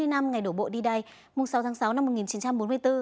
sáu mươi năm ngày đổ bộ đi đây mùng sáu tháng sáu năm một nghìn chín trăm bốn mươi bốn